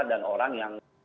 dan orang yang